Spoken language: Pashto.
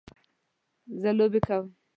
زه لوبې کوم